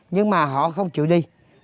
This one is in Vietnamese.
nhưng mà họ không chịu đi